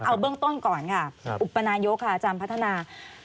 เอาเบื้องต้นก่อนค่ะอุปนายกค่ะอาจารย์พัฒนา